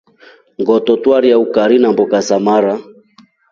Ngoto twelya ukari namboka za mara.